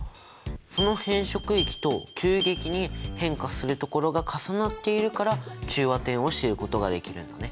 その変色域と急激に変化する所が重なっているから中和点を知ることができるんだね。